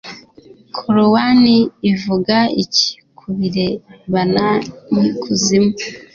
korowani ivuga iki ku birebana n’ikuzimu?